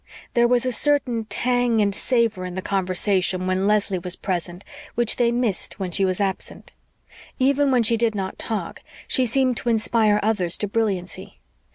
There was a certain tang and savor in the conversation when Leslie was present which they missed when she was absent. Even when she did not talk she seemed to inspire others to brilliancy.